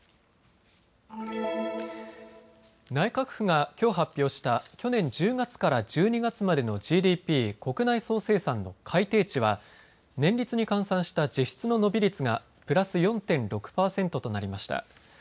内閣府がきょう発表した去年１０月から１２月までのＧＤＰ・国内総生産の改定値は年率に換算した実質の伸び率がプラス４．６％となりました。